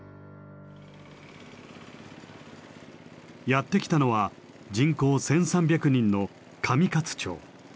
やって来たのは人口１，３００人の上勝町。